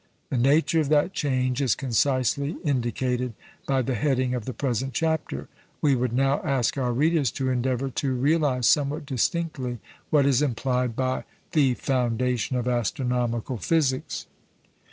The nature of that change is concisely indicated by the heading of the present chapter; we would now ask our readers to endeavour to realise somewhat distinctly what is implied by the "foundation of astronomical physics."